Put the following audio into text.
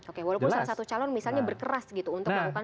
oke walaupun salah satu calon misalnya berkeras gitu untuk melakukan